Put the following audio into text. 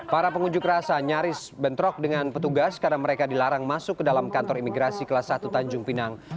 para pengunjuk rasa nyaris bentrok dengan petugas karena mereka dilarang masuk ke dalam kantor imigrasi kelas satu tanjung pinang